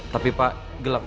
tapi pak gelap